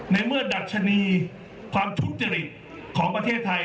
ในเมื่อดัชนีความทุจริตของประเทศไทย